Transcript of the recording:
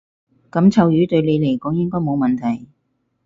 噉臭魚對你嚟講應該冇問題